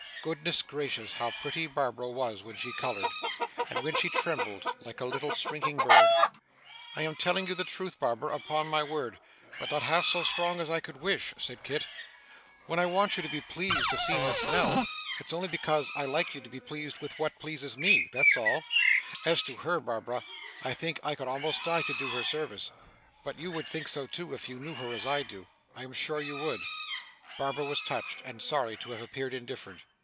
Goodness gracious, how pretty Barbara was when she coloured and when she trembled, like a little shrinking bird! 'I am telling you the truth, Barbara, upon my word, but not half so strong as I could wish,' said Kit. 'When I want you to be pleased to see Miss Nell, it's only because I like you to be pleased with what pleases me that's all. As to her, Barbara, I think I could almost die to do her service, but you would think so too, if you knew her as I do. I am sure you would.' Barbara was touched, and sorry to have appeared indifferent.